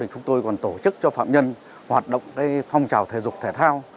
chúng tôi còn tổ chức cho phạm nhân hoạt động phong trào thể dục thể thao